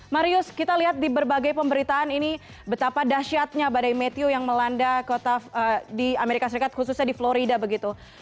marius kita lihat di berbagai pemberitaan ini betapa dasyatnya badai meteo yang melanda kota di amerika serikat khususnya di florida begitu